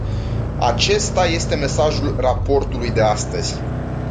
Acesta este mesajul raportului de astăzi.